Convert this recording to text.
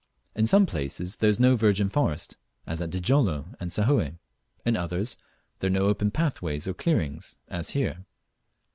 In some places there is no virgin forest, as at Djilolo and Sahoe; in others there are no open pathways or clearings, as here.